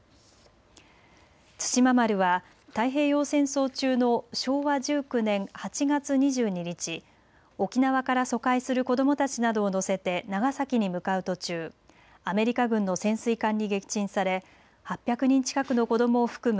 対馬丸は太平洋戦争中の昭和１９年８月２２日、沖縄から疎開する子どもたちなどを乗せて長崎に向かう途中、アメリカ軍の潜水艦に撃沈され８００人近くの子どもを含む